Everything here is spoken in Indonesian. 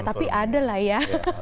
tapi ada lah ya